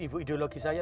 ibu ideologi saya